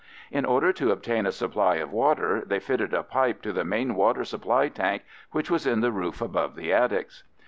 In order to obtain a supply of water they fitted a pipe to the main water supply tank, which was in the roof above the attics.